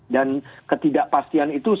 dan ketidakpastian itu